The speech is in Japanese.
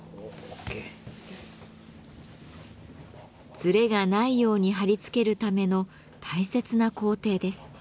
ずれがないように貼り付けるための大切な工程です。